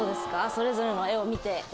それぞれの絵を見て。